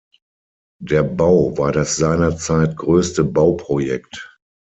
Der Bau war das seinerzeit größte Bauprojekt.